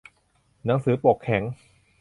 หนังสือปกแข็ง